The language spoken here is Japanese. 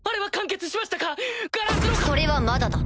それはまだだ。